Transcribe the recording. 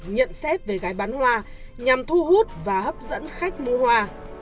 nhận xét về gái bán hoa nhằm thu hút và hấp dẫn khách mua hoa